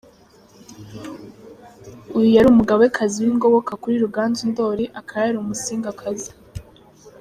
Uyu yari umugabekazi w’ingoboka kuri Ruganzu Ndoli akaba yari umusingakazi.